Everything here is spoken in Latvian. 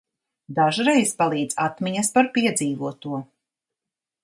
Dažreiz palīdz atmiņas par piedzīvoto.